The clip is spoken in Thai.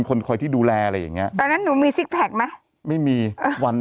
คนคอยที่ดูแลอะไรอย่างเงี้ยตอนนั้นหนูมีซิกแพคไหมไม่มีวัน